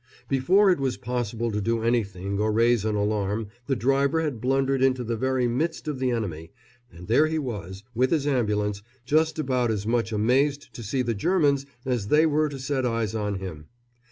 Before it was possible to do anything or raise an alarm the driver had blundered into the very midst of the enemy, and there he was, with his ambulance, just about as much amazed to see the Germans as they were to set eyes on him.